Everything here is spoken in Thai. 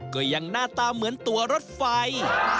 ก็ยังหน้าตาเหมือนตัวรถไฟ